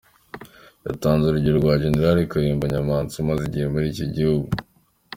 Yatanze urugero rwa Gen. Kayumba Nyamwasa umaze igihe muri iki gihugu.